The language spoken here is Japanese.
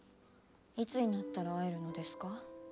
いつになったら会えるのですか。